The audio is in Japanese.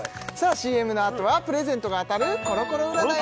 ＣＭのあとはプレゼントが当たるコロコロ占いです